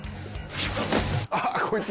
あっこいつ。